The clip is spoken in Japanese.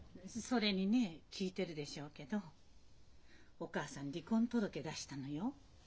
それにねえ聞いてるでしょうけどお母さん離婚届出したのよ。